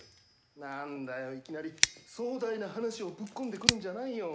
何だよいきなり壮大な話をぶっ込んでくるんじゃないよ。